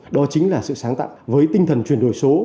đó chính là sự sáng tạo với tinh thần chuyển đổi số